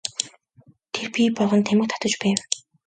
Тэр пиво балган тамхи татаж байв.